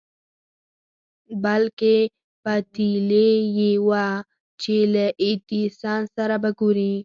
بلکې پتېيلې يې وه چې له ايډېسن سره به ګوري.